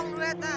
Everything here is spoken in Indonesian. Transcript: ngitung duit ah